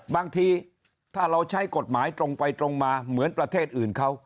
บางทีถ้าเราใช้กฎหมายตรงไปตรงมาเหมือนประเทศอื่นเขา